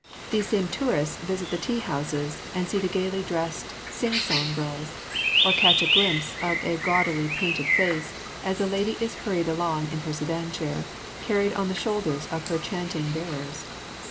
These same tourists visit the tea houses and see the gaily dressed "sing song" girls, or catch a glimpse of a gaudily painted face, as a lady is hurried along in her sedan chair, carried on the shoulders of her chanting bearers.